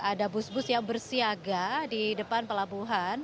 ada bus bus yang bersiaga di depan pelabuhan